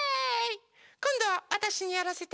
こんどはわたしにやらせて！